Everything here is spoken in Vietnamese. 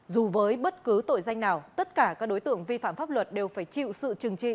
dù với bất cứ tội danh nào tất cả các đối tượng vi phạm pháp luật đều phải chịu sự trừng trị